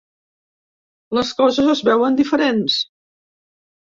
Les coses es veuen diferents.